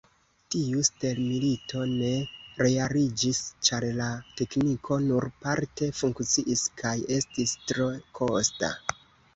Tiu stelmilito ne realiĝis, ĉar la tekniko nur parte funkciis kaj estis tro kosta.